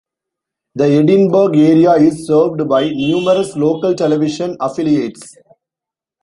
The Edinburg area is served by numerous local television affiliates.